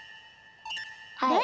はい。